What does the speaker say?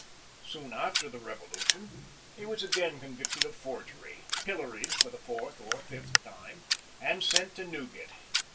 Soon after the Revolution he was again convicted of forgery, pilloried for the fourth or fifth time, and sent to Newgate.